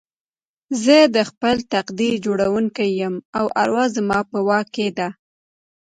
زه د خپل تقدير جوړوونکی يم او اروا زما په واک کې ده.